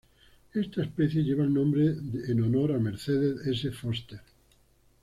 Esta especie lleva el nombre en honor a Mercedes S. Foster.